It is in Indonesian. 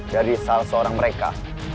dari salah seorang mereka